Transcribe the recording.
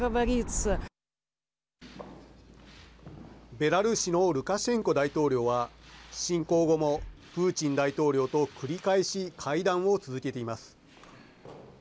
ベラルーシのルカシェンコ大統領は侵攻後もプーチン大統領と繰り返し会談を続けています。